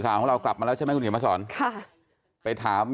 ดังมากดังมาก